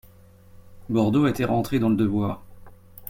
Bordeaux était rentré dans le devoir.